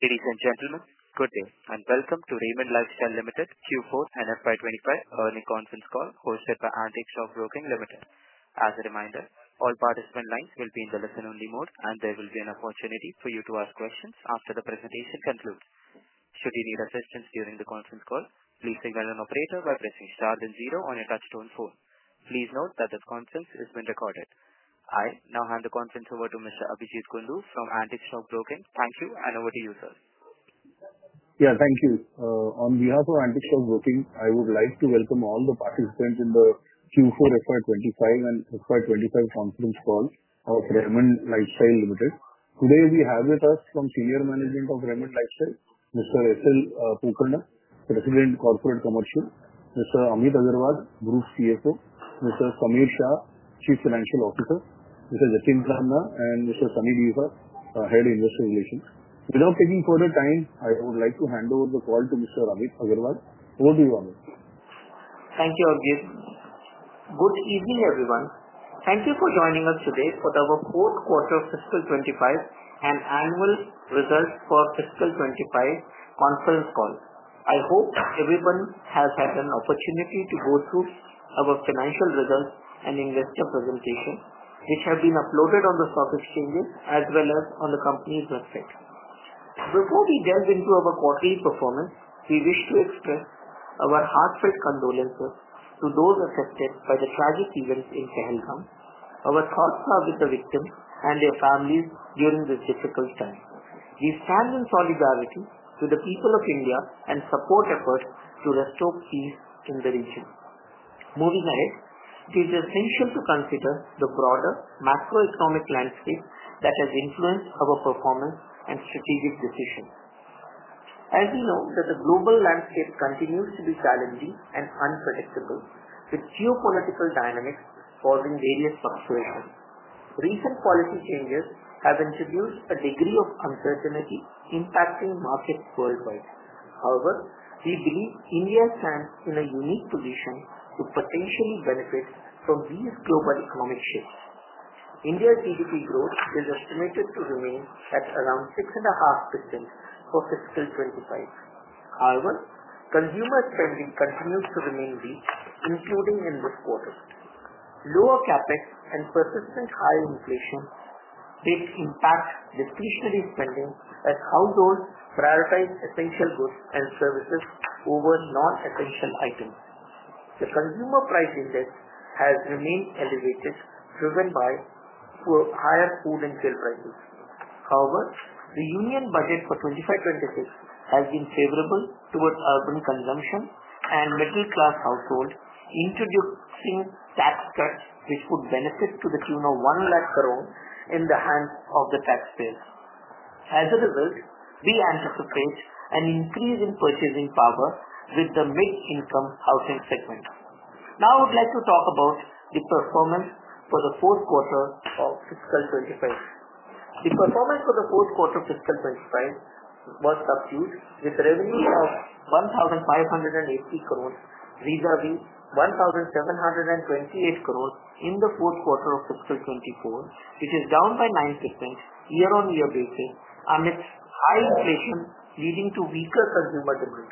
Ladies and gentlemen, good day and welcome to Raymond Lifestyle Limited Q4 and FY25 earning conference call hosted by Antique Stock Broking Limited. As a reminder, all participant lines will be in the listen-only mode, and there will be an opportunity for you to ask questions after the presentation concludes. Should you need assistance during the conference call, please signal an operator by pressing star then zero on your touch-tone phone. Please note that this conference is being recorded. I now hand the conference over to Mr. Abhijit Gundu from Antique Stock Broking. Thank you, and over to you, sir. Yeah, thank you. On behalf of Antique Stock Broking, I would like to welcome all the participants in the Q4 FY25 and FY25 conference call of Raymond Lifestyle Limited. Today we have with us from senior management of Raymond Lifestyle, Mr. SL Pokarna, President Corporate Commercial, Mr. Amit Agarwal, Group CFO, Mr. Sameer Shah, Chief Financial Officer, Mr. Jatin Rana, and Mr. Sunny Deosa, Head Investor Relations. Without taking further time, I would like to hand over the call to Mr. Amit Agarwal. Over to you, Amit. Thank you, Abhijit. Good evening, everyone. Thank you for joining us today for our fourth quarter of fiscal 2025 and annual results for fiscal 2025 conference call. I hope everyone has had an opportunity to go through our financial results and investor presentation, which have been uploaded on the stock exchanges as well as on the company's website. Before we delve into our quarterly performance, we wish to express our heartfelt condolences to those affected by the tragic events in Kashmir, our thoughts are with the victims and their families during this difficult time. We stand in solidarity with the people of India and support efforts to restore peace in the region. Moving ahead, it is essential to consider the broader macroeconomic landscape that has influenced our performance and strategic decisions. As we know, the global landscape continues to be challenging and unpredictable, with geopolitical dynamics causing various fluctuations. Recent policy changes have introduced a degree of uncertainty impacting markets worldwide. However, we believe India stands in a unique position to potentially benefit from these global economic shifts. India's GDP growth is estimated to remain at around 6.5% for fiscal 2025. However, consumer spending continues to remain weak, including in this quarter. Lower CapEx and persistent high inflation impact discretionary spending as households prioritize essential goods and services over non-essential items. The consumer price index has remained elevated, driven by higher food and shell prices. However, the union budget for 2025-2026 has been favorable towards urban consumption and middle-class households, introducing tax cuts which would benefit to the tune of 100,000 in the hands of the taxpayers. As a result, we anticipate an increase in purchasing power with the mid-income housing segment. Now, I would like to talk about the performance for the fourth quarter of fiscal 2025. The performance for the fourth quarter of fiscal 2025 was subdued, with revenues of 1,580 million versus 1,728 million in the fourth quarter of fiscal 2024, which is down by 9% year-on-year basis amidst high inflation leading to weaker consumer demand.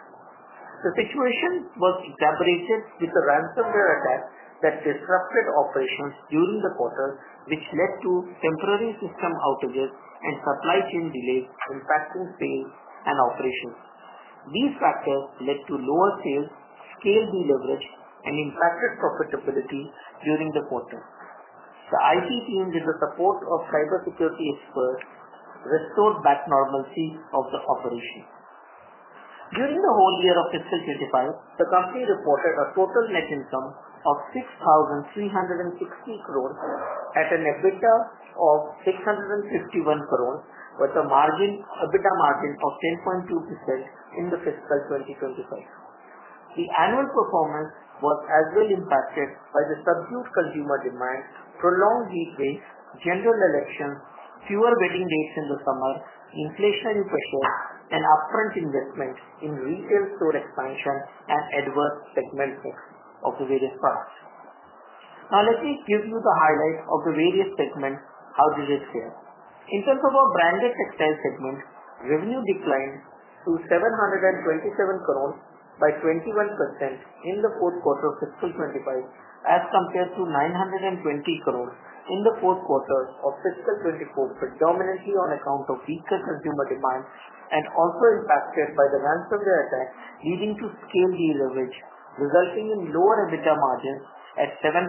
The situation was exaggerated with the ransomware attack that disrupted operations during the quarter, which led to temporary system outages and supply chain delays impacting sales and operations. These factors led to lower sales, scale delivery, and impacted profitability during the quarter. The IT team, with the support of cybersecurity experts, restored back normalcy of the operation. During the whole year of fiscal 2025, the company reported a total net income of 6,360 million at an EBITDA of 651 million, with a margin of EBITDA margin of 10.2% in the fiscal 2025. The annual performance was as well impacted by the subdued consumer demand, prolonged heat waves, general elections, fewer wedding dates in the summer, inflationary pressures, and upfront investment in retail store expansion and adverse segment effects of the various products. Now, let me give you the highlights of the various segments. How did it fare? In terms of our branded textile segment, revenue declined to 727 million by 21% in the fourth quarter of fiscal 2025 as compared to INR 920 million in the fourth quarter of fiscal 2024, predominantly on account of weaker consumer demand and also impacted by the ransomware attack leading to scale delivery, resulting in lower EBITDA margins at 7%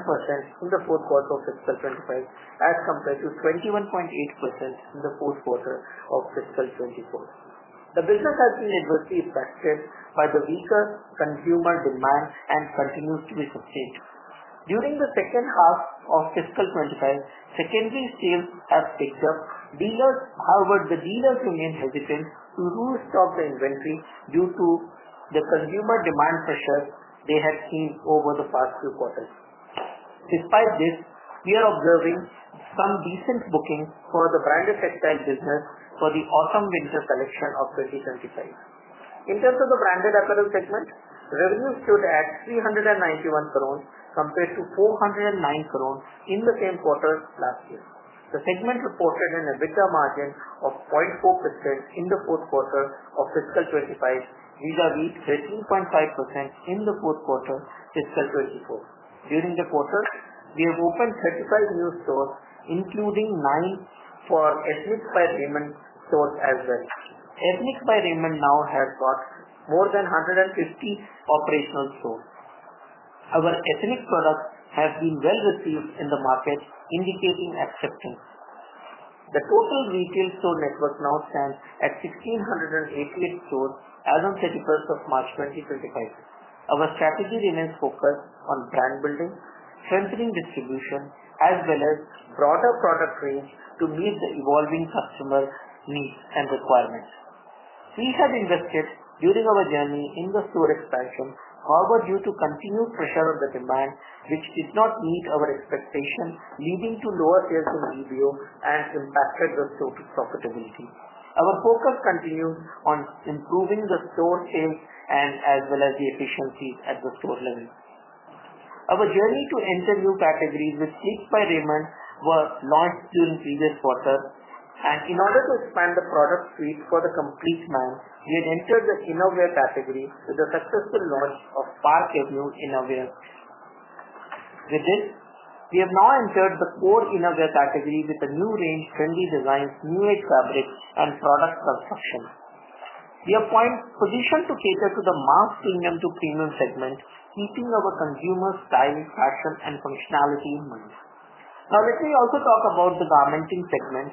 in the fourth quarter of fiscal 2025 as compared to 21.8% in the fourth quarter of fiscal 2024. The business has been adversely affected by the weaker consumer demand and continues to be sustained. During the second half of fiscal 2025, secondary sales have picked up. However, the dealers remain hesitant to restock the inventory due to the consumer demand pressure they had seen over the past few quarters. Despite this, we are observing some decent booking for the branded textile business for the autumn-winter collection of 2025. In terms of the branded apparel segment, revenues stood at 391 million compared to 409 million in the same quarter last year. The segment reported an EBITDA margin of 0.4% in the fourth quarter of fiscal 2025, vis-à-vis 13.5% in the fourth quarter fiscal 2024. During the quarter, we have opened 35 new stores, including 9 for ethnic wear stores as well. Ethnic wear now has got more than 150 operational stores. Our ethnic products have been well received in the market, indicating acceptance. The total retail store network now stands at 1,688 stores as of 31st of March 2025. Our strategy remains focused on brand building, strengthening distribution, as well as broader product range to meet the evolving customer needs and requirements. We had invested during our journey in the store expansion, however, due to continued pressure on the demand, which did not meet our expectations, leading to lower sales in review and impacted the store profitability. Our focus continues on improving the store sales and as well as the efficiencies at the store level. Our journey to enter new categories with sleek fire remand was launched during the previous quarter. In order to expand the product suite for the complete line, we had entered the innerwear category with the successful launch of Park Avenue Innerwear. With this, we have now entered the core innerwear category with the new range, trendy designs, new age fabric, and product construction. We are positioned to cater to the mass premium to premium segment, keeping our consumer style, fashion, and functionality in mind. Now, let me also talk about the garmenting segment,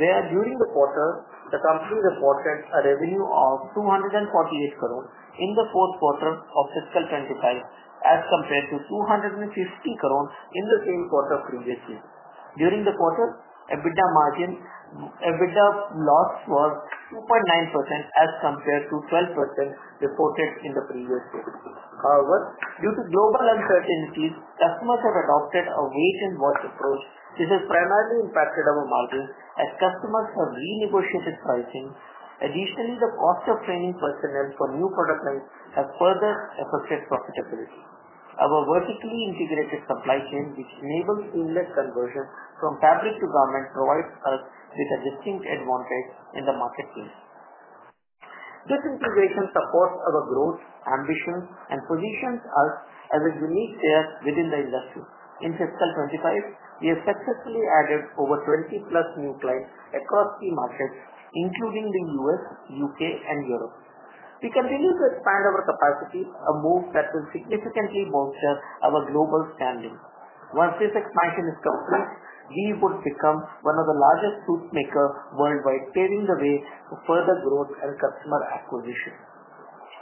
where during the quarter, the company reported a revenue of 248 million in the fourth quarter of fiscal 2025 as compared to 250 million in the same quarter previously. During the quarter, EBITDA loss was 2.9% as compared to 12% reported in the previous year. However, due to global uncertainties, customers have adopted a wait-and-watch approach. This has primarily impacted our margins as customers have renegotiated pricing. Additionally, the cost of training personnel for new product lines has further affected profitability. Our vertically integrated supply chain, which enables seamless conversion from fabric to garment, provides us with a distinct advantage in the marketplace. This integration supports our growth ambition and positions us as a unique player within the industry. In fiscal 2025, we have successfully added over 20 new clients across the markets, including the U.S., U.K., and Europe. We continue to expand our capacity, a move that will significantly bolster our global standing. Once this expansion is complete, we would become one of the largest suitmakers worldwide, paving the way for further growth and customer acquisition.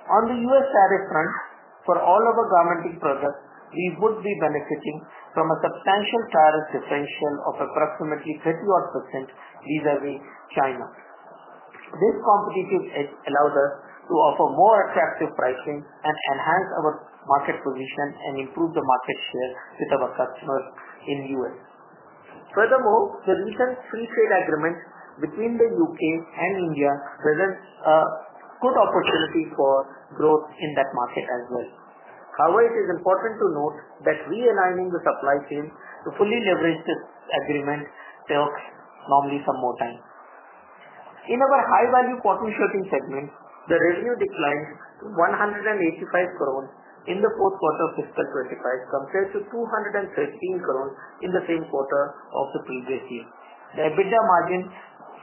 On the U.S. tariff front, for all our garmenting products, we would be benefiting from a substantial tariff differential of approximately 31% vis-à-vis China. This competitive edge allows us to offer more attractive pricing and enhance our market position and improve the market share with our customers in the U.S. Furthermore, the recent free trade agreement between the U.K. and India presents a good opportunity for growth in that market as well. However, it is important to note that realigning the supply chain to fully leverage this agreement took normally some more time. In our high-value cotton shirting segment, the revenue declined to 185 million in the fourth quarter of fiscal 2025 compared to 213 million in the same quarter of the previous year. The EBITDA margin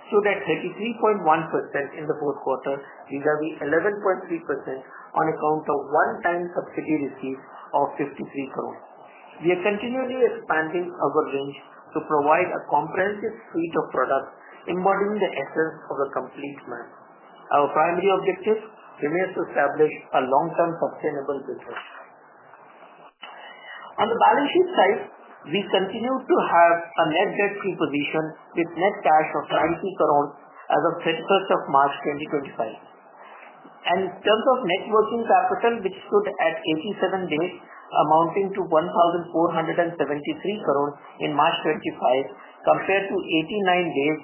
stood at 33.1% in the fourth quarter, vis-à-vis 11.3% on account of one-time subsidy receipts of 53 million. We are continually expanding our range to provide a comprehensive suite of products embodying the essence of a complete man. Our primary objective remains to establish a long-term sustainable business. On the balance sheet side, we continue to have a net debt preposition with net cash of 90 million as of 31st of March 2025. In terms of net working capital, which stood at 87 days, amounting to 1,473 million in March 2025 compared to 89 days,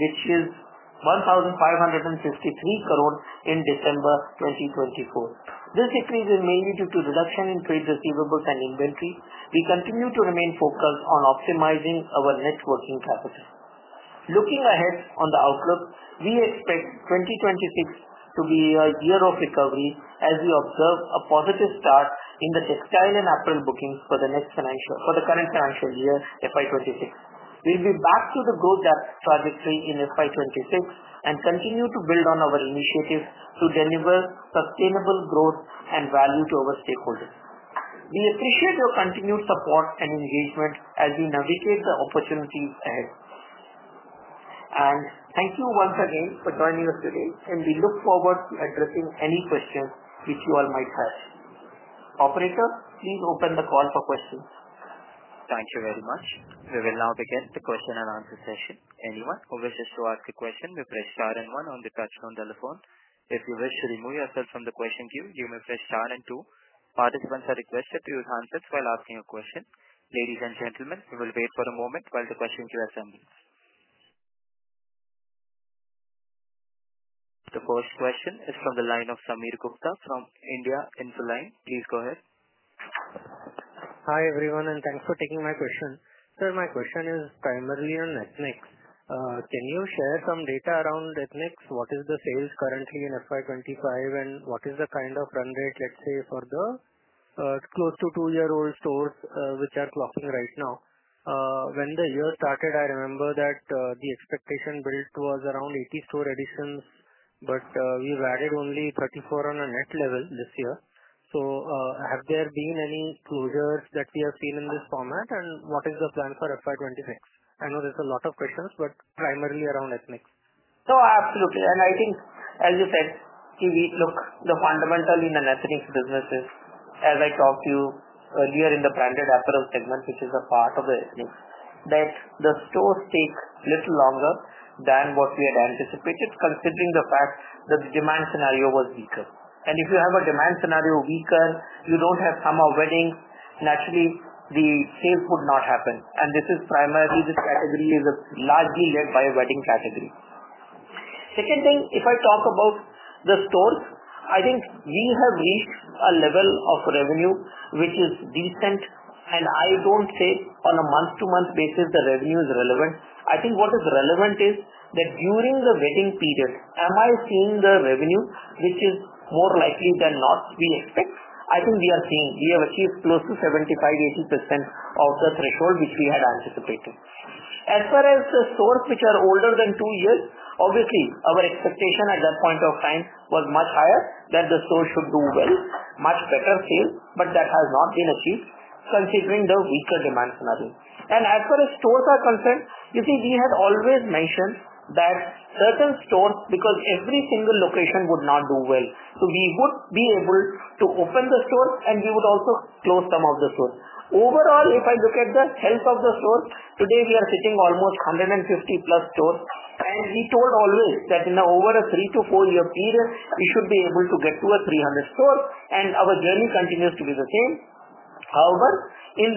which is 1,553 million in December 2024. This decrease is mainly due to reduction in trade receivables and inventory. We continue to remain focused on optimizing our net working capital. Looking ahead on the outlook, we expect 2026 to be a year of recovery as we observe a positive start in the textile and apparel bookings for the current financial year FY26. We'll be back to the growth trajectory in FY26 and continue to build on our initiative to deliver sustainable growth and value to our stakeholders. We appreciate your continued support and engagement as we navigate the opportunities ahead. Thank you once again for joining us today, and we look forward to addressing any questions which you all might have. Operator, please open the call for questions. Thank you very much. We will now begin the question and answer session. Anyone who wishes to ask a question may press star and one on the touchstone telephone. If you wish to remove yourself from the question queue, you may press star and two. Participants are requested to use handsets while asking a question. Ladies and gentlemen, we will wait for a moment while the question queue assembles. The first question is from the line of Sameer Gupta from India Infoline. Please go ahead. Hi everyone, and thanks for taking my question. Sir, my question is primarily on ethnics. Can you share some data around ethnics? What is the sales currently in FY25, and what is the kind of run rate, let's say, for the close to two-year-old stores which are clocking right now? When the year started, I remember that the expectation built was around 80 store additions, but we've added only 34 on a net level this year. Have there been any closures that we have seen in this format, and what is the plan for FY26? I know there's a lot of questions, but primarily around ethnics. Absolutely. I think, as you said, the fundamental in an ethnic business is, as I talked to you earlier in the branded apparel segment, which is a part of the ethnics, that the stores take a little longer than what we had anticipated, considering the fact that the demand scenario was weaker. If you have a demand scenario weaker, you do not have summer weddings, naturally the sales would not happen. This is primarily, this category is largely led by a wedding category. Second thing, if I talk about the stores, I think we have reached a level of revenue which is decent, and I do not say on a month-to-month basis the revenue is relevant. I think what is relevant is that during the wedding period, am I seeing the revenue, which is more likely than not we expect? I think we are seeing we have achieved close to 75-80% of the threshold which we had anticipated. As far as the stores which are older than two years, obviously our expectation at that point of time was much higher that the store should do well, much better sales, but that has not been achieved considering the weaker demand scenario. As far as stores are concerned, you see we had always mentioned that certain stores, because every single location would not do well, we would be able to open the store, and we would also close some of the stores. Overall, if I look at the health of the stores, today we are sitting almost 150 plus stores, and we told always that in the over a three to four-year period, we should be able to get to a 300 store, and our journey continues to be the same. However, in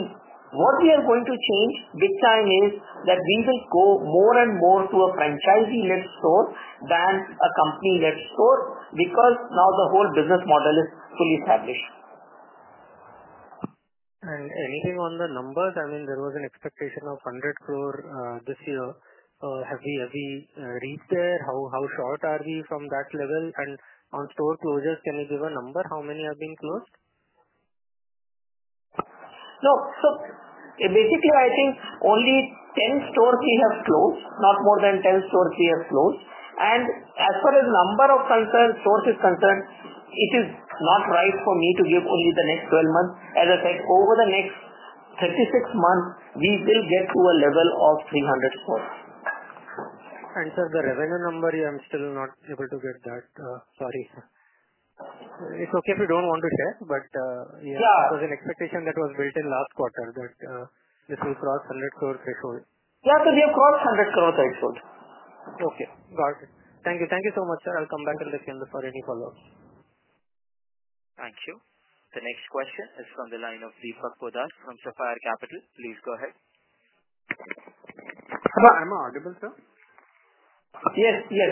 what we are going to change big time is that we will go more and more to a franchisee-led store than a company-led store because now the whole business model is fully established. Anything on the numbers? I mean, there was an expectation of 100 floors this year. Have we reached there? How short are we from that level? On store closures, can you give a number? How many have been closed? No. So basically, I think only 10 stores we have closed, not more than 10 stores we have closed. As far as number of stores is concerned, it is not right for me to give only the next 12 months. As I said, over the next 36 months, we will get to a level of 300 stores. Sir, the revenue number, I'm still not able to get that. Sorry. It's okay if you don't want to share, but it was an expectation that was built in last quarter that this will cross the 100 store threshold. Yeah, so we have crossed 100 crore threshold. Okay. Got it. Thank you. Thank you so much, sir. I'll come back to the field for any follow-ups. Thank you. The next question is from the line of Deepak Bodar from Sapphire Capital. Please go ahead. Hello? Am I audible, sir? Yes, yes.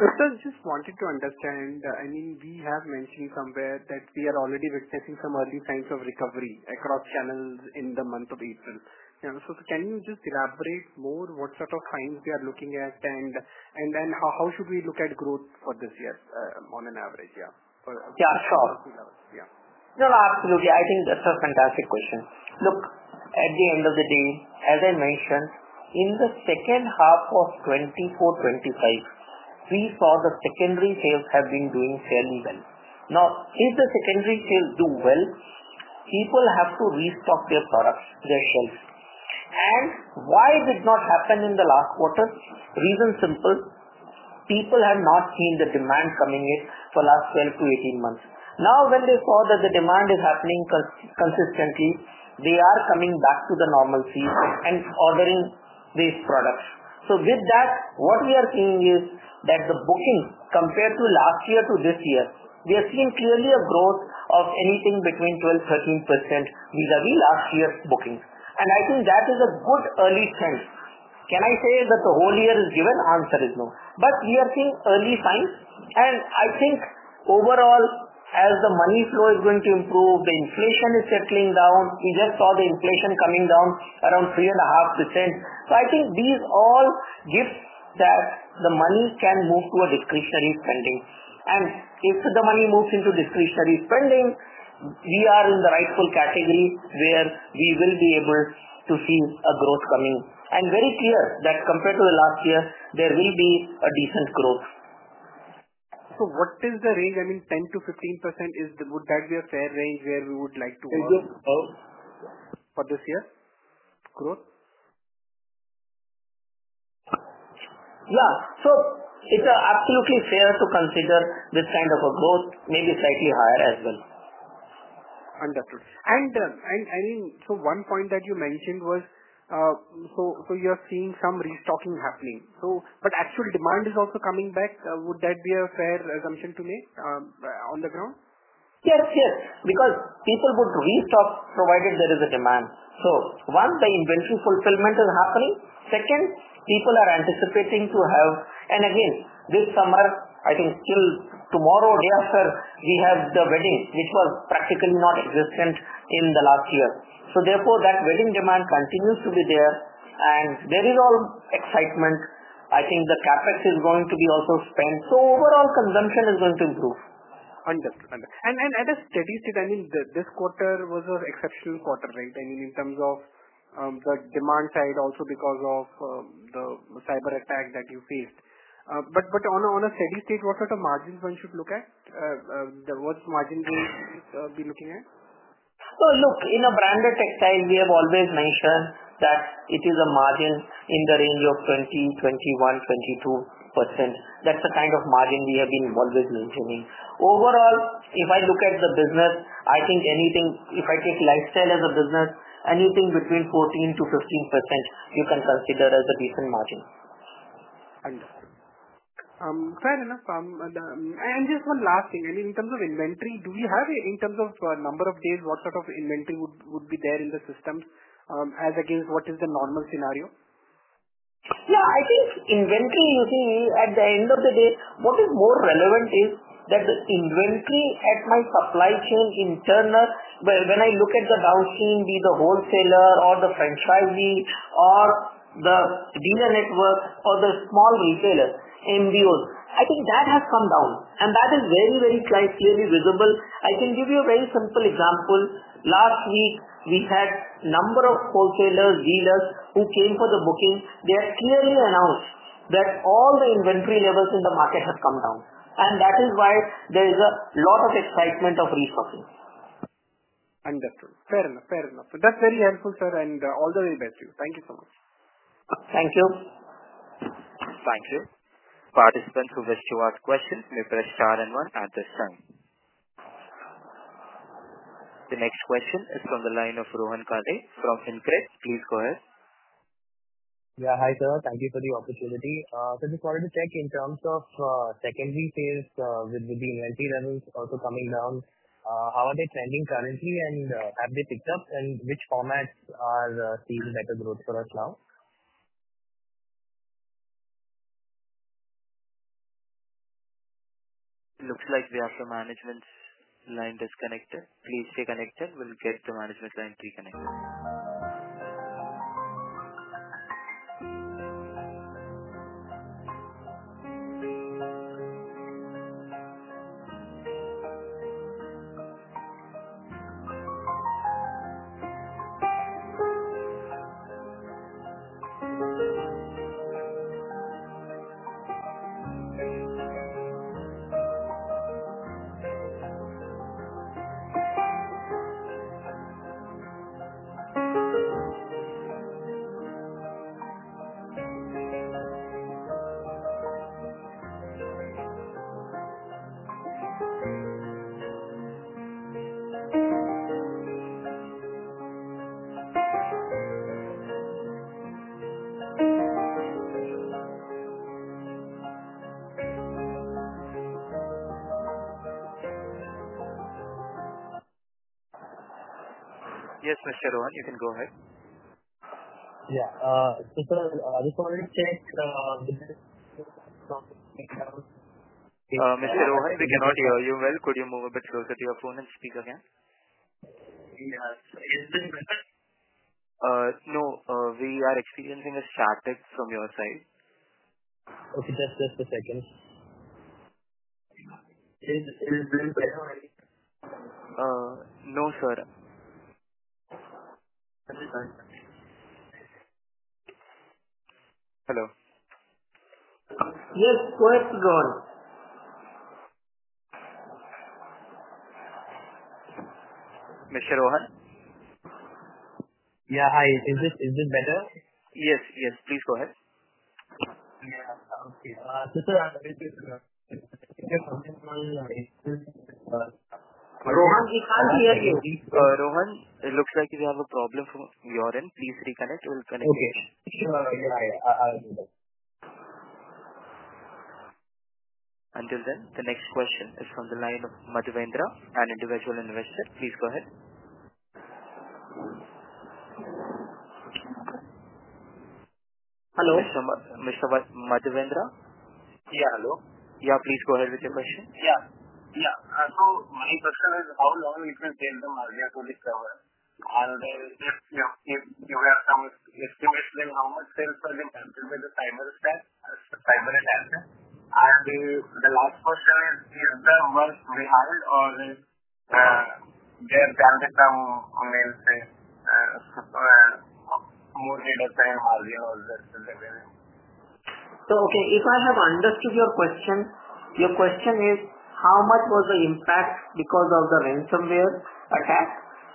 Sir, just wanted to understand. I mean, we have mentioned somewhere that we are already witnessing some early signs of recovery across channels in the month of April. Can you just elaborate more what sort of signs we are looking at, and then how should we look at growth for this year on an average? Yeah. Yeah, sure. No, absolutely. I think that's a fantastic question. Look, at the end of the day, as I mentioned, in the second half of 2024-2025, we saw the secondary sales have been doing fairly well. Now, if the secondary sales do well, people have to restock their products, their shelves. Why did that not happen in the last quarter? Reason simple. People have not seen the demand coming in for the last 12 to 18 months. Now, when they saw that the demand is happening consistently, they are coming back to the normalcy and ordering these products. With that, what we are seeing is that the booking compared to last year to this year, we have seen clearly a growth of anything between 12-13% vis-à-vis last year's bookings. I think that is a good early sense. Can I say that the whole year is given? Answer is no. We are seeing early signs. I think overall, as the money flow is going to improve, the inflation is settling down. We just saw the inflation coming down around 3.5%. I think these all give that the money can move to a discretionary spending. If the money moves into discretionary spending, we are in the rightful category where we will be able to see a growth coming. Very clear that compared to the last year, there will be a decent growth. What is the range? I mean, 10-15%, would that be a fair range where we would like to work for this year's growth? Yeah. It is absolutely fair to consider this kind of a growth, maybe slightly higher as well. Understood. I mean, one point that you mentioned was, you are seeing some restocking happening. Actual demand is also coming back. Would that be a fair assumption to make on the ground? Yes, yes. Because people would restock provided there is a demand. One, the inventory fulfillment is happening. Second, people are anticipating to have, and again, this summer, I think till tomorrow, day after, we have the wedding, which was practically not existent in the last year. Therefore, that wedding demand continues to be there, and there is all excitement. I think the CapEx is going to be also spent. Overall, consumption is going to improve. Understood. Understood. At a steady state, I mean, this quarter was an exceptional quarter, right? I mean, in terms of the demand side also because of the cyber attack that you faced. On a steady state, what sort of margins one should look at? What margin will we be looking at? In a branded textile, we have always mentioned that it is a margin in the range of 20-22%. That is the kind of margin we have been always mentioning. Overall, if I look at the business, I think anything, if I take lifestyle as a business, anything between 14-15%, you can consider as a decent margin. Understood. Fair enough. Just one last thing. I mean, in terms of inventory, do we have, in terms of number of days, what sort of inventory would be there in the systems as against what is the normal scenario? Yeah. I think inventory, you see, at the end of the day, what is more relevant is that the inventory at my supply chain internal, when I look at the downstream, be the wholesaler or the franchisee or the dealer network or the small retailers, MBOs, I think that has come down. That is very, very clearly visible. I can give you a very simple example. Last week, we had a number of wholesalers, dealers who came for the booking. They have clearly announced that all the inventory levels in the market have come down. That is why there is a lot of excitement of restocking. Understood. Fair enough. That's very helpful, sir, and all the very best to you. Thank you so much. Thank you. Thank you. Participants who wish to ask questions may press star and one at this time. The next question is from the line of Rohan Kade from InCred. Please go ahead. Yeah. Hi, sir. Thank you for the opportunity. Just wanted to check in terms of secondary sales with the inventory levels also coming down. How are they trending currently, and have they picked up, and which formats are seeing better growth for us now? Looks like we have the management line disconnected. Please stay connected. We'll get the management line reconnected. Yes, Mr. Rohan, you can go ahead. Yeah. Sir, I just wanted to check. Mr. Rohan, we cannot hear you well. Could you move a bit closer to your phone and speak again? Yes. Is this better? No. We are experiencing static from your side. Okay. Just a second. Is this better or any? No, sir. Hello? Yes. Go ahead, Rohan. Mr. Rohan? Yeah. Hi. Is this better? Yes. Yes. Please go ahead. Yeah. Okay. So sir, I'm a little bit—. Rohan, we can't hear you. Rohan, it looks like we have a problem from your end. Please reconnect. We'll connect you. Okay. Sure. Yeah. I'll do that. Until then, the next question is from the line of Madhavendra, an individual investor. Please go ahead. Hello? Mr. Madhavendra? Yeah. Hello? Yeah. Please go ahead with your question. Yeah. Yeah. So my question is, how long it will take the margin to recover? And if you have some estimates then, how much sales are being captured by the cyber attack? And the last question is, is the month behind, or there can be some, I mean, say, more data time margin or that? Okay, if I have understood your question, your question is, how much was the impact because of the ransomware attack?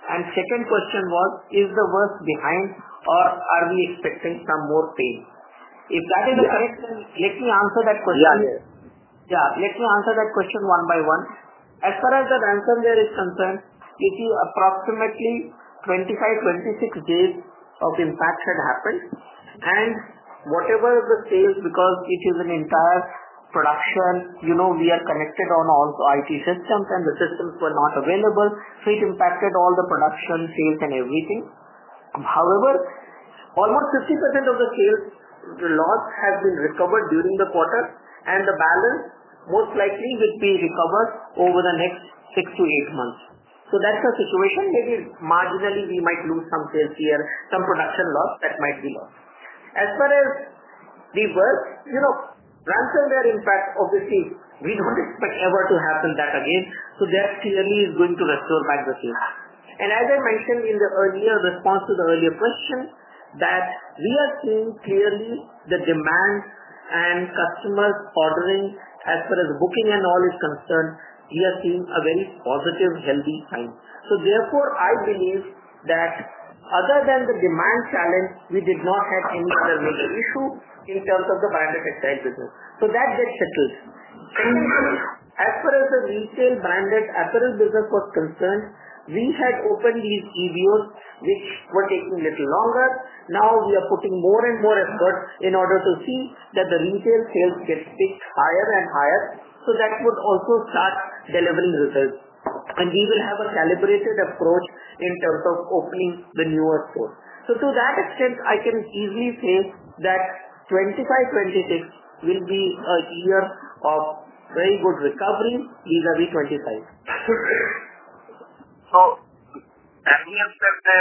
And second question was, is the month behind, or are we expecting some more pain? If that is the correct thing, let me answer that question. Yeah. Yeah. Let me answer that question one by one. As far as the ransomware is concerned, it is approximately 25-26 days of impact had happened. Whatever the sales, because it is an entire production, we are connected on all the IT systems, and the systems were not available, it impacted all the production, sales, and everything. However, almost 50% of the sales loss has been recovered during the quarter, and the balance most likely would be recovered over the next six to eight months. That is the situation. Maybe marginally, we might lose some sales here, some production loss that might be lost. As far as the work, ransomware impact, obviously, we do not expect ever to happen that again. That clearly is going to restore back the sales. As I mentioned in the earlier response to the earlier question, we are seeing clearly the demand and customers ordering as far as booking and all is concerned, we are seeing a very positive, healthy time. Therefore, I believe that other than the demand challenge, we did not have any other major issue in terms of the branded textile business. That gets settled. Secondly, as far as the retail branded apparel business was concerned, we had opened these EVOs, which were taking a little longer. Now, we are putting more and more effort in order to see that the retail sales get picked higher and higher. That would also start delivering results. We will have a calibrated approach in terms of opening the newer stores. To that extent, I can easily say that 2025-2026 will be a year of very good recovery vis-à-vis 2025. Can we expect the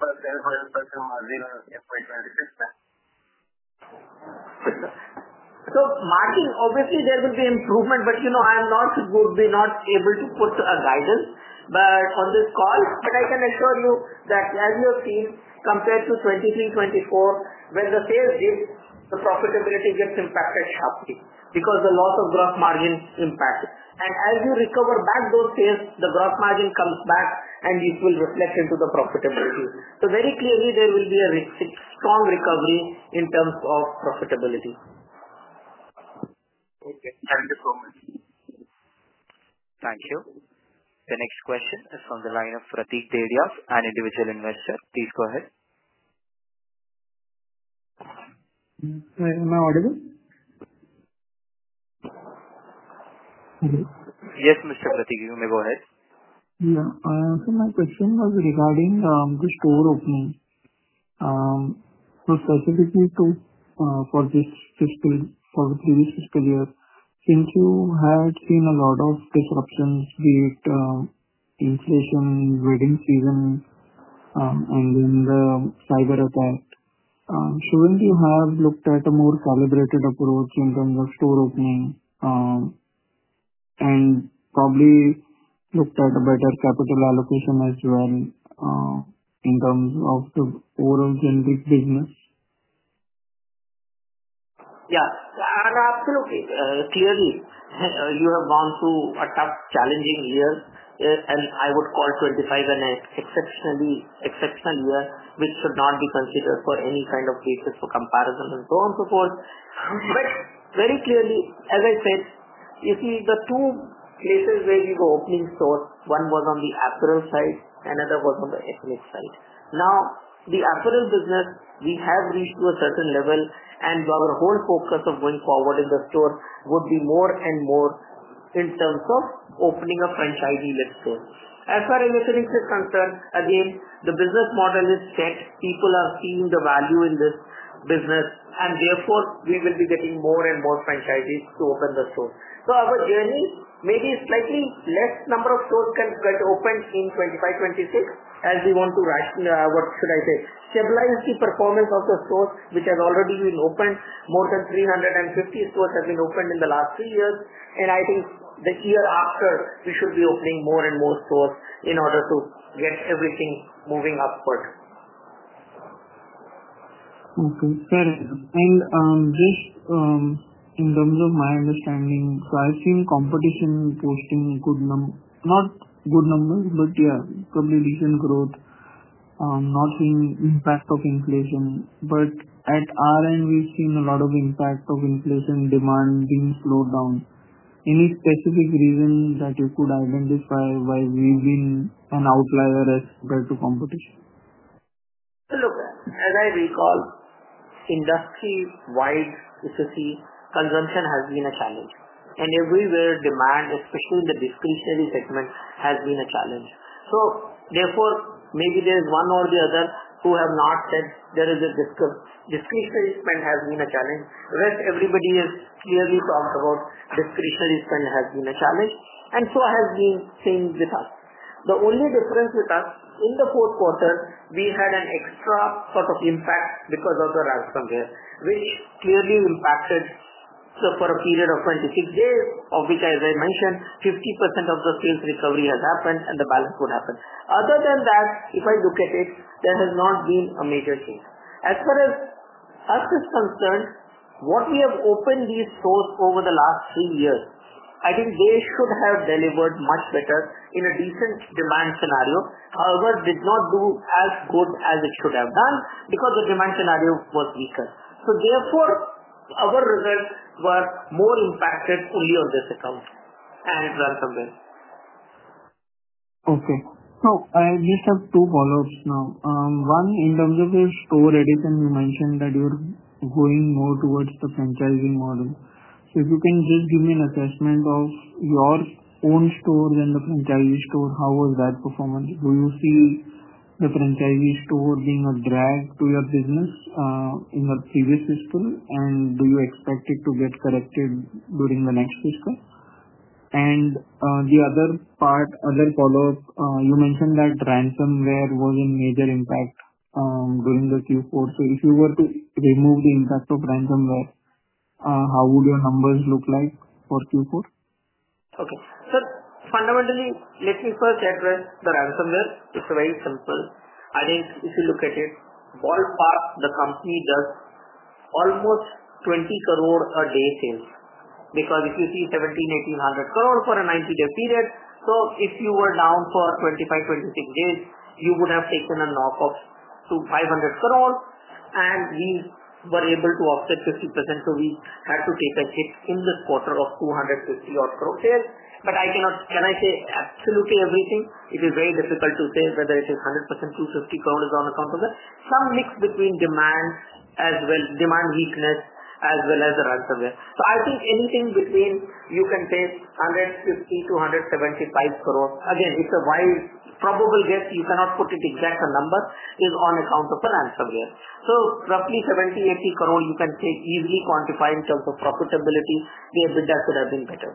10%-12% margin in 2026? Obviously, there will be improvement, but I'm not able to put a guidance on this call. I can assure you that as you have seen, compared to 2023, 2024, when the sales did, the profitability gets impacted sharply because the loss of gross margin impact. As you recover back those sales, the gross margin comes back, and it will reflect into the profitability. Very clearly, there will be a strong recovery in terms of profitability. Okay. Thank you so much. Thank you. The next question is from the line of Prateek Dehriyas, an individual investor. Please go ahead. Am I audible? Yes, Mr. Prateek, you may go ahead. Yeah. My question was regarding the store opening. Specifically for the previous fiscal year, since you had seen a lot of disruptions, be it inflation, wedding season, and then the cyber attack, should you not have looked at a more calibrated approach in terms of store opening and probably looked at a better capital allocation as well in terms of the overall generic business? Yeah. Absolutely. Clearly, you have gone through a tough, challenging year, and I would call 2025 an exceptional year, which should not be considered for any kind of basis for comparison and so on and so forth. Very clearly, as I said, you see the two places where we were opening stores, one was on the apparel side, another was on the ethnic side. Now, the apparel business, we have reached to a certain level, and our whole focus of going forward in the store would be more and more in terms of opening a franchisee-led store. As far as ethnics are concerned, again, the business model is set. People are seeing the value in this business, and therefore, we will be getting more and more franchisees to open the stores. Our journey may be slightly less number of stores can get opened in 2025, 2026 as we want to, what should I say, stabilize the performance of the stores, which has already been opened. More than 350 stores have been opened in the last three years. I think the year after, we should be opening more and more stores in order to get everything moving upward. Okay. Fair enough. Just in terms of my understanding, I've seen competition posting good numbers, not good numbers, but yeah, probably decent growth, not seeing impact of inflation. At our end, we've seen a lot of impact of inflation, demand being slowed down. Any specific reason that you could identify why we've been an outlier as compared to competition? Look, as I recall, industry-wide, you should see consumption has been a challenge. Everywhere, demand, especially in the discretionary segment, has been a challenge. Therefore, maybe there is one or the other who have not said there is a discretionary spend has been a challenge. The rest, everybody has clearly talked about discretionary spend has been a challenge, and so has been things with us. The only difference with us, in the fourth quarter, we had an extra sort of impact because of the ransomware, which clearly impacted for a period of 26 days, of which, as I mentioned, 50% of the sales recovery has happened and the balance would happen. Other than that, if I look at it, there has not been a major change. As far as us is concerned, what we have opened these stores over the last three years, I think they should have delivered much better in a decent demand scenario. However, did not do as good as it should have done because the demand scenario was weaker. Therefore, our results were more impacted only on this account and ransomware. Okay. I just have two follow-ups now. One, in terms of your store addition, you mentioned that you're going more towards the franchising model. If you can just give me an assessment of your own stores and the franchisee store, how was that performance? Do you see the franchisee store being a drag to your business in the previous fiscal, and do you expect it to get corrected during the next fiscal? The other part, other follow-up, you mentioned that ransomware was a major impact during Q4. If you were to remove the impact of ransomware, how would your numbers look like for Q4? Okay. Fundamentally, let me first address the ransomware. It's very simple. I think if you look at it, ballpark, the company does almost 200 million a day sales because if you see 17-18 billion for a 90-day period, if you were down for 25-26 days, you would have taken a knock-off to 5 billion, and we were able to offset 50%. We had to take a hit in the quarter of 2.5 billion-odd sales. Can I say absolutely everything? It is very difficult to say whether it is 100%, 2.5 billion is on account of that. Some mix between demand as well, demand weakness, as well as the ransomware. I think anything between, you can say, 1.5 billion to 1.75 billion. Again, it's a wild, probable guess. You cannot put it exactly, a number is on account of the ransomware. Roughly 70-80 crore you can say easily quantify in terms of profitability. The EBITDA should have been better.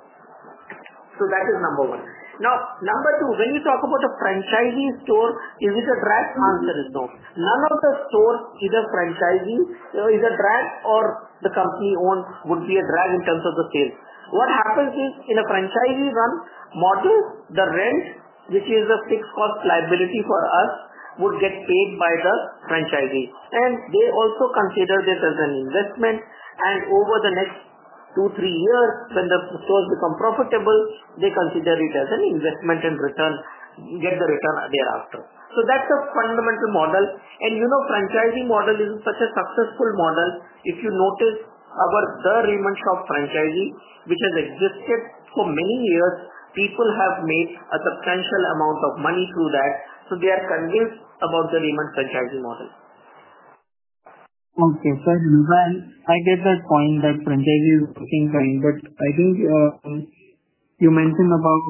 That is number one. Number two, when you talk about a franchisee store, is it a drag? The answer is no. None of the stores, either franchisee, is a drag or the company-owned would be a drag in terms of the sales. What happens is in a franchisee-run model, the rent, which is a fixed cost liability for us, would get paid by the franchisee. They also consider this as an investment. Over the next two-three years, when the stores become profitable, they consider it as an investment and get the return thereafter. That is a fundamental model. The franchisee model is such a successful model. If you notice, our Raymond Shop franchisee, which has existed for many years, people have made a substantial amount of money through that. They are convinced about the Raymond franchisee model. Okay. I get that point that franchisee is looking kind, but I think you mentioned about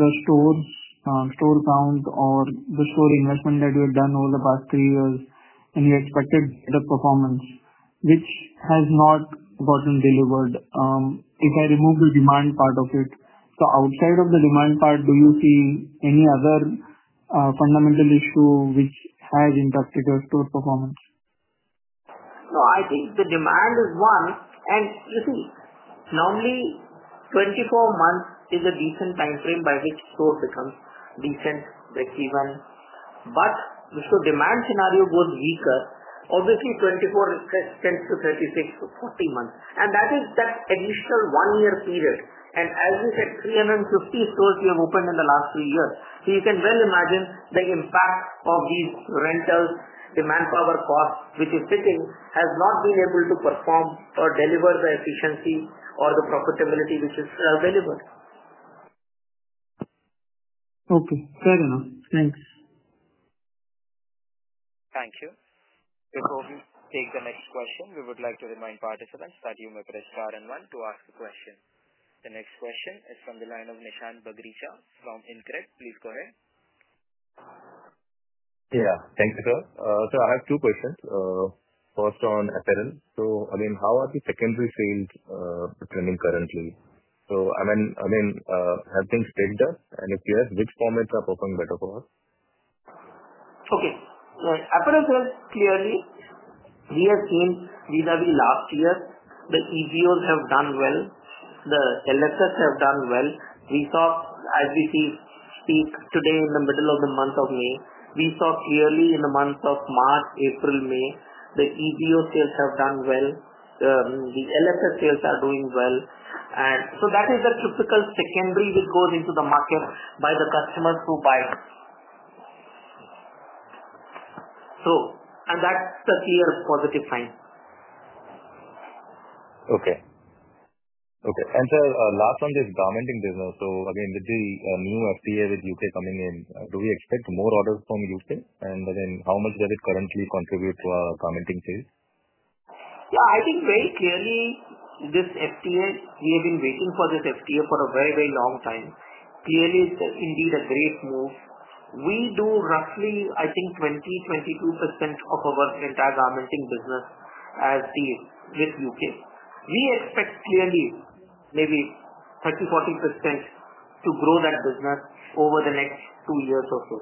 the store count or the store investment that you had done over the past three years, and you expected better performance, which has not gotten delivered. If I remove the demand part of it, outside of the demand part, do you see any other fundamental issue which has impacted your store performance? No, I think the demand is one. You see, normally, 24 months is a decent time frame by which a store becomes decent, breakeven. If the demand scenario goes weaker, obviously, 24 extends to 36-40 months. That is that additional one-year period. As we said, 350 stores we have opened in the last three years. You can well imagine the impact of these rentals, demand, power costs, which is sitting, has not been able to perform or deliver the efficiency or the profitability which is available. Okay. Fair enough. Thanks. Thank you. Before we take the next question, we would like to remind participants that you may press star and one to ask a question. The next question is from the line of Nishan Baghricha from InCred. Please go ahead. Yeah. Thank you, sir. I have two questions. First on apparel. Again, how are the secondary sales running currently? I mean, have things stayed up? If yes, which formats are performing better for us? Okay. Apparel sales clearly, we have seen vis-à-vis last year. The EVOs have done well. The LSS have done well. We saw, as we speak today in the middle of the month of May, we saw clearly in the months of March, April, May, the EVO sales have done well. The LSS sales are doing well. That is the typical secondary which goes into the market by the customers who buy. That is the clear positive sign. Okay. Okay. And sir, last one is garmenting business. Again, with the new FTA with the U.K. coming in, do we expect more orders from the U.K.? Again, how much does it currently contribute to our garmenting sales? Yeah. I think very clearly, this FTA, we have been waiting for this FTA for a very, very long time. Clearly, it's indeed a great move. We do roughly, I think, 20%-22% of our entire garmenting business as deals with the U.K. We expect clearly maybe 30%-40% to grow that business over the next two years or so.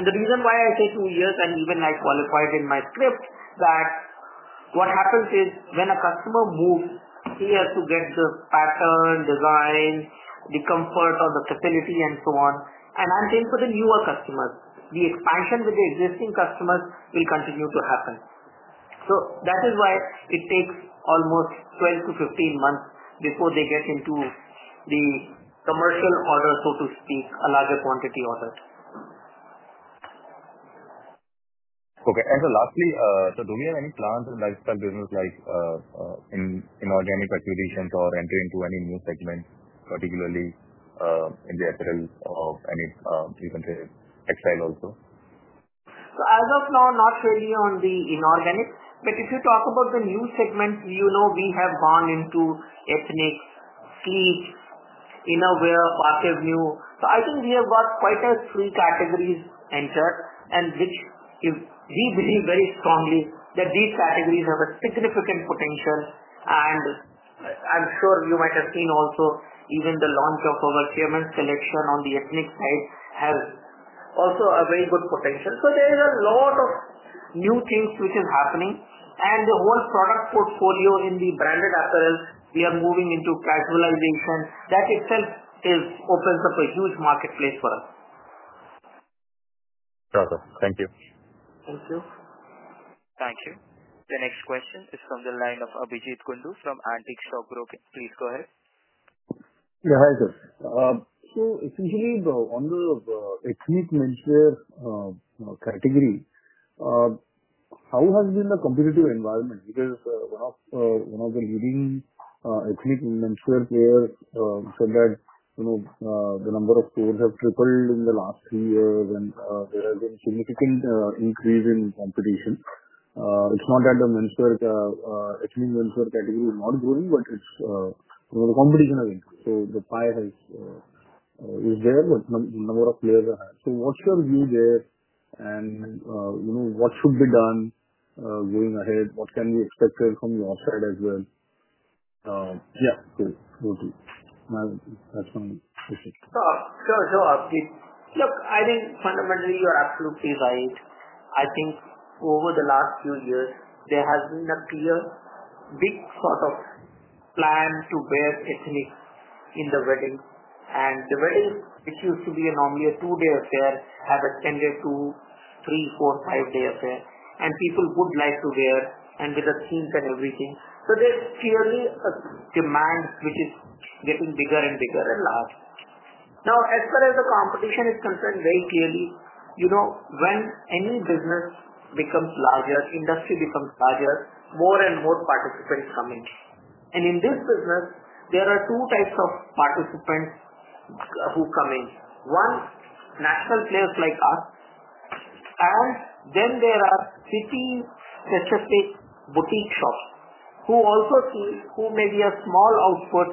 The reason why I say two years, and even I qualified in my script that what happens is when a customer moves, he has to get the pattern, design, the comfort of the facility, and so on. I think for the newer customers, the expansion with the existing customers will continue to happen. That is why it takes almost 12-15 months before they get into the commercial order, so to speak, a larger quantity order. Okay. Lastly, do we have any plans in lifestyle business like inorganic acquisitions or entering into any new segment, particularly in the apparel or even textile also? As of now, not really on the inorganic. If you talk about the new segment, we have gone into ethnic, sleek, innerwear, passive new. I think we have got quite a few categories entered, and we believe very strongly that these categories have significant potential. I'm sure you might have seen also even the launch of our Chairman's Collection on the ethnic side has also a very good potential. There is a lot of new things which are happening. The whole product portfolio in the branded apparel, we are moving into casualization. That itself opens up a huge marketplace for us. Perfect. Thank you. Thank you. Thank you. The next question is from the line of Abhijit Gundu from Antique Stock Broking Limited. Please go ahead. Yeah. Hi sir. So essentially, on the ethnic menswear category, how has been the competitive environment? Because one of the leading ethnic menswear players said that the number of stores have tripled in the last three years, and there has been a significant increase in competition. It's not that the menswear category is not growing, but the competition has increased. The pie is there, but the number of players are high. What's your view there? What should be done going ahead? What can be expected from your side as well? Yeah. Cool. Okay. That's my question. Sure. Sure. Look, I think fundamentally, you are absolutely right. I think over the last few years, there has been a clear big sort of plan to wear ethnic in the wedding. The wedding, which used to be normally a two-day affair, has ascended to three, four, five-day affair. People would like to wear, and with the themes and everything, there is clearly a demand which is getting bigger and bigger and large. Now, as far as the competition is concerned, very clearly, when any business becomes larger, industry becomes larger, more and more participants come in. In this business, there are two types of participants who come in. One, national players like us. Then there are city-specific boutique shops who also see, who may be a small output,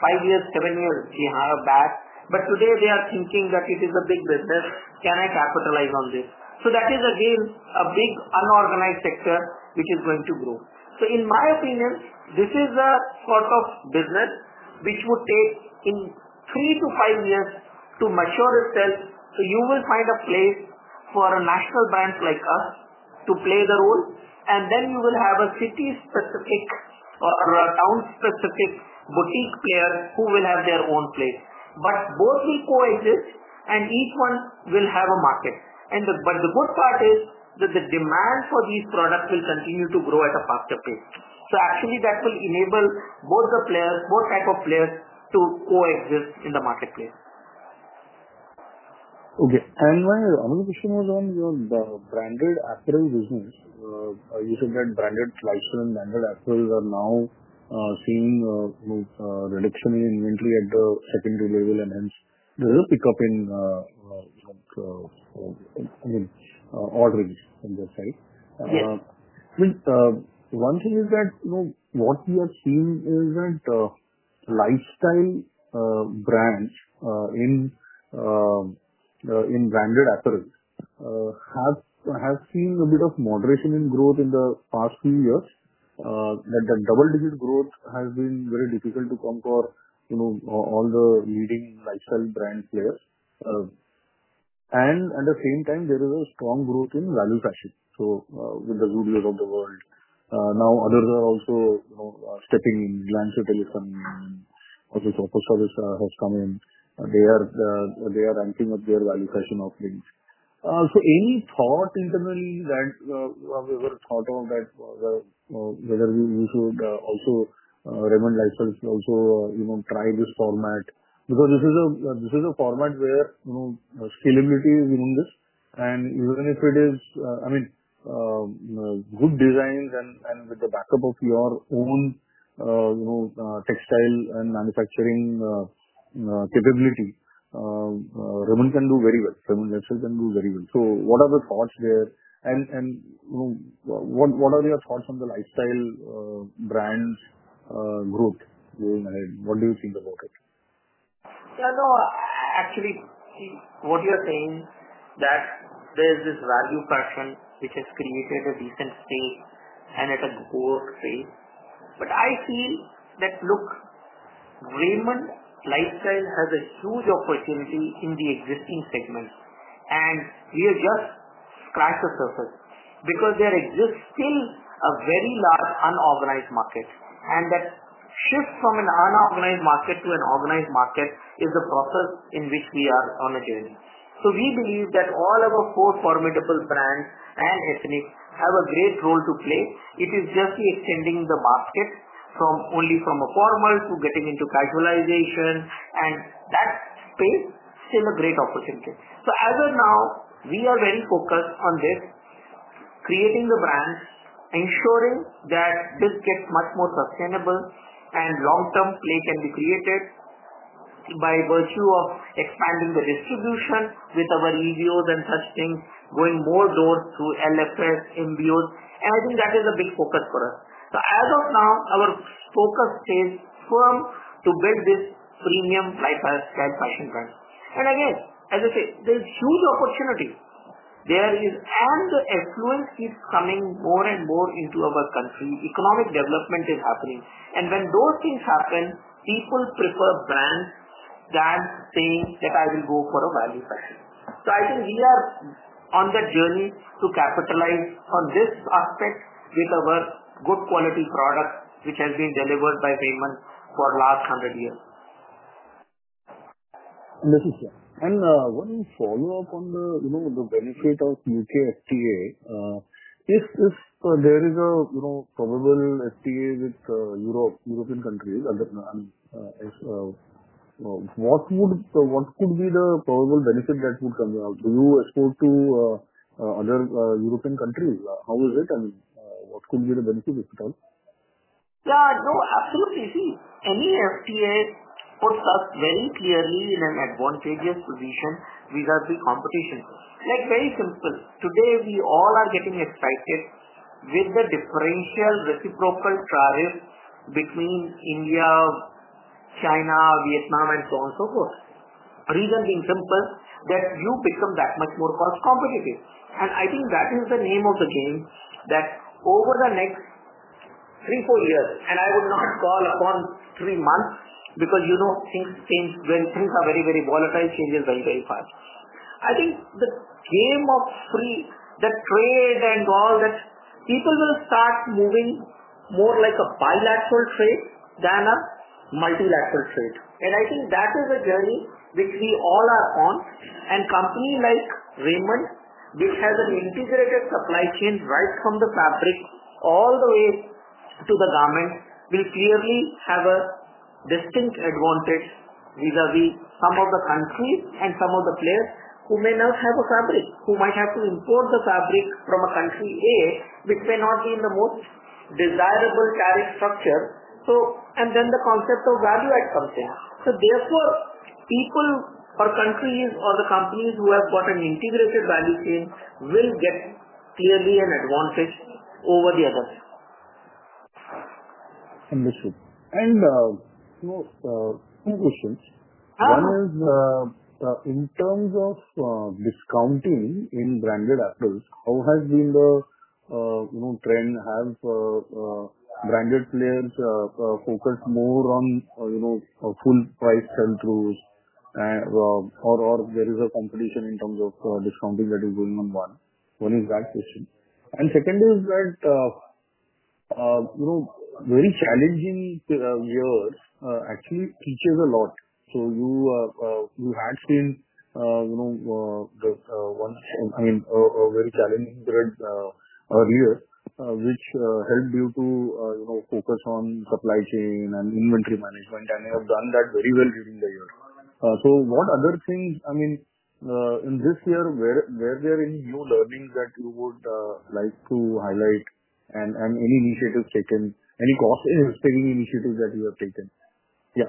five years, seven years, they have a batch. Today, they are thinking that it is a big business. Can I capitalize on this? That is, again, a big unorganized sector which is going to grow. In my opinion, this is a sort of business which would take three to five years to mature itself. You will find a place for a national brand like us to play the role. Then you will have a city-specific or a town-specific boutique player who will have their own place. Both will coexist, and each one will have a market. The good part is that the demand for these products will continue to grow at a faster pace. Actually, that will enable both types of players to coexist in the marketplace. Okay. My other question was on your branded apparel business. You said that branded lifestyle and branded apparel are now seeing a reduction in inventory at the secondary level, and hence, there is a pickup in ordering on their side. I mean, one thing is that what we have seen is that lifestyle brands in branded apparel have seen a bit of moderation in growth in the past few years. That double-digit growth has been very difficult to conquer for all the leading lifestyle brand players. At the same time, there is a strong growth in value fashion. With the Zulu of the world, now others are also stepping in, glance at telecom. Also, Shoppers Service has come in. They are ramping up their value fashion offerings. Any thought internally that we ever thought of, whether Raymond Lifestyle should also try this format? Because this is a format where scalability is in this. Even if it is, I mean, good designs and with the backup of your own textile and manufacturing capability, Raymond can do very well. Raymond Lifestyle can do very well. What are the thoughts there? What are your thoughts on the lifestyle brand's growth going ahead? What do you think about it? Yeah. No, actually, see, what you are saying that there is this value fashion which has created a decent state and at a growth rate. I feel that, look, Raymond Lifestyle has a huge opportunity in the existing segment. We have just scratched the surface because there exists still a very large unorganized market. That shift from an unorganized market to an organized market is the process in which we are on a journey. We believe that all of our four formidable brands and ethnic have a great role to play. It is just extending the basket only from a formal to getting into casualization. That space is still a great opportunity. As of now, we are very focused on this, creating the brands, ensuring that this gets much more sustainable and a long-term play can be created by virtue of expanding the distribution with our EVOs and such things, going more doors through LFS, MBOs. I think that is a big focus for us. As of now, our focus stays firm to build this premium lifestyle fashion brand. Again, as I say, there is huge opportunity there. The affluence keeps coming more and more into our country. Economic development is happening. When those things happen, people prefer brands rather than saying that I will go for a value fashion. I think we are on the journey to capitalize on this aspect with our good quality products which have been delivered by Raymond for the last 100 years. Let me see. One follow-up on the benefit of U.K. FTA. If there is a probable FTA with European countries, what could be the probable benefit that would come out? Do you export to other European countries? How is it? I mean, what could be the benefit, if at all? Yeah. No, absolutely. See, any FTA puts us very clearly in an advantageous position without the competition. Very simple. Today, we all are getting excited with the differential reciprocal tariff between India, China, Vietnam, and so on and so forth. Reason being simple, that you become that much more cost-competitive. I think that is the name of the game that over the next three or four years—I would not call upon three months because when things are very, very volatile, changes very, very fast. I think the game of free, the trade and all that, people will start moving more like a bilateral trade than a multilateral trade. I think that is a journey which we all are on. A company like Raymond, which has an integrated supply chain right from the fabric all the way to the garment, will clearly have a distinct advantage vis-à-vis some of the countries and some of the players who may not have a fabric, who might have to import the fabric from a country A, which may not be in the most desirable tariff structure. The concept of value add comes in. Therefore, people or countries or the companies who have got an integrated value chain will get clearly an advantage over the others. Understood. Two questions. One is, in terms of discounting in branded apparel, how has been the trend? Have branded players focused more on full price sell-throughs, or is there a competition in terms of discounting that is going on? That is one question. The second is that very challenging years actually teach a lot. You had seen, I mean, a very challenging period earlier, which helped you to focus on supply chain and inventory management, and you have done that very well during the year. What other things, I mean, in this year, were there any new learnings that you would like to highlight and any initiatives taken, any cost-saving initiatives that you have taken? Yeah.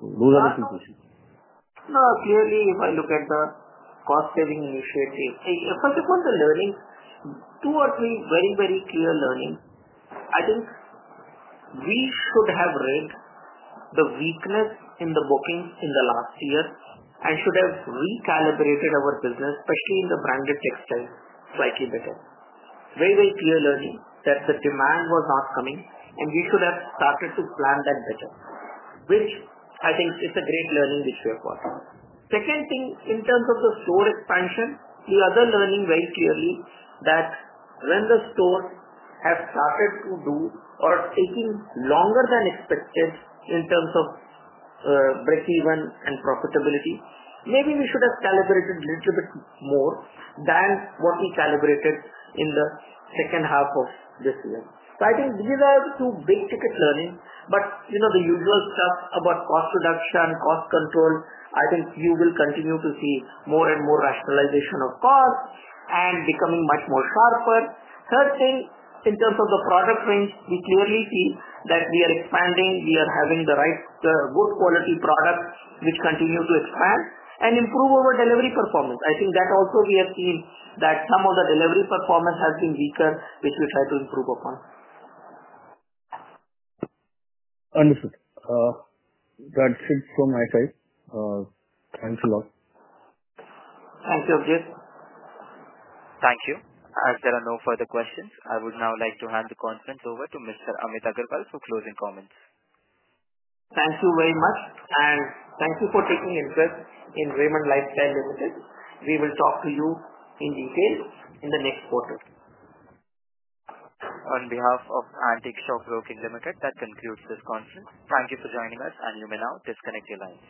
Those are the two questions. Clearly, if I look at the cost-saving initiative, first of all, the learning, two or three very, very clear learnings. I think we should have rigged the weakness in the bookings in the last year and should have recalibrated our business, especially in the branded textile, slightly better. Very, very clear learning that the demand was not coming, and we should have started to plan that better, which I think is a great learning which we have gotten. Second thing, in terms of the store expansion, the other learning very clearly that when the stores have started to do or taking longer than expected in terms of break-even and profitability, maybe we should have calibrated a little bit more than what we calibrated in the second half of this year. I think these are the two big ticket learnings. The usual stuff about cost reduction, cost control, I think you will continue to see more and more rationalization of costs and becoming much more sharper. Third thing, in terms of the product range, we clearly see that we are expanding. We are having the right good quality products which continue to expand and improve over delivery performance. I think that also we have seen that some of the delivery performance has been weaker, which we try to improve upon. Understood. That's it from my side. Thanks a lot. Thank you, Abhijit. Thank you. As there are no further questions, I would now like to hand the conference over to Mr. Amit Agarwal for closing comments. Thank you very much. Thank you for taking interest in Raymond Lifestyle Limited. We will talk to you in detail in the next quarter. On behalf of Antique Stock Broking Limited, that concludes this conference. Thank you for joining us, and you may now disconnect the line.